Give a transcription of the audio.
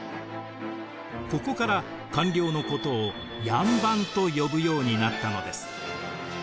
ここから官僚のことを両班と呼ぶようになったのです。